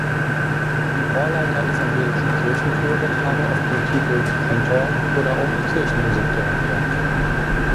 Chorleiter evangelischer Kirchenchöre tragen oft den Titel "Kantor" oder auch "Kirchenmusikdirektor".